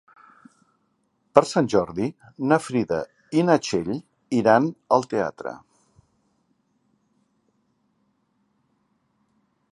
Per Sant Jordi na Frida i na Txell iran al teatre.